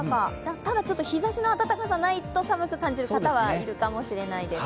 ただ、ちょっと日ざしの暖かさがないと寒く感じる方もいるかもしれないです。